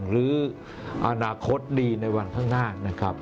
หรืออนาคตดีในวันข้างหน้า